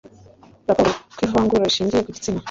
Raporo ku ivangura rishingiye ku gitsina